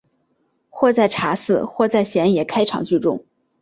或在茶肆或在野闲开场聚众。